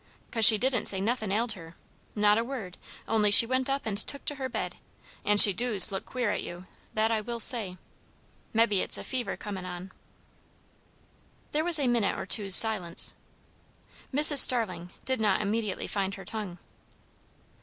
'Cause she didn't say nothin' ailed her; not a word; only she went up and took to her bed; and she doos look queer at you, that I will say. Mebbe it's fever a comin' on." There was a minute or two's silence. Mrs. Starling did not immediately find her tongue.